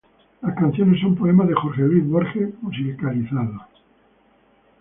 Las canciones son poemas de Jorge Luis Borges musicalizados.